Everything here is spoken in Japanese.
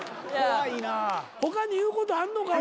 他に言うことあんのか？